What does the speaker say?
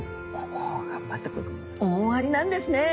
ここがまた大ありなんですね。